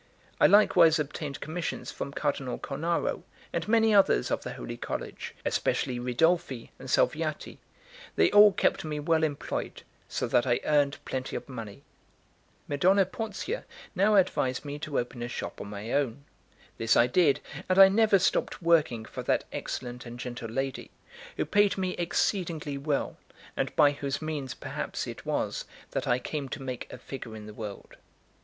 I likewise obtained commissions from Cardinal Cornaro, and many others of the Holy College, especially Ridolfi and Salviati; they all kept me well employed, so that I earned plenty of money. 2 Madonna Porzia now advised me to open a shop of my own. This I did; and I never stopped working for that excellent and gentle lady, who paid me exceedingly well, and by whose means perhaps it was that I came to make a figure in the world.